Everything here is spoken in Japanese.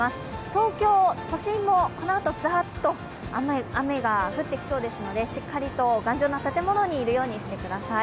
東京都心もこのあとざーっと雨が降ってきそうですのでしっかりと頑丈な建物にいるようにしてください。